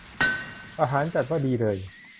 อาหารจัดว่าดีเลย